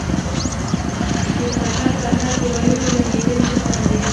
د پرهر پرهر دېوالونو زنګېدلي چت لاندې.